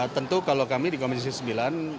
tentu kalau kami di komisi sembilan